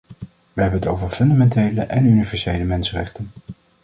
We hebben het over fundamentele en universele mensenrechten.